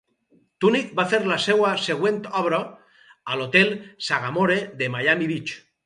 Tunick va fer la seua següent obra a l'hotel Sagamore de Miami Beach.